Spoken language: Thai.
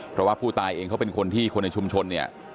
เพราะว่าผู้ตายเองเขาเป็นคนที่คนในชุมชนเนี่ย